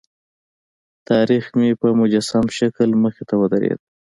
تاریخ مې په مجسم شکل مخې ته ودرېد.